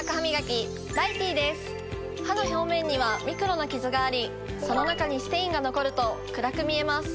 歯の表面にはミクロなキズがありその中にステインが残ると暗く見えます。